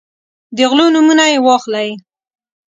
د غلو نومونه یې واخلئ.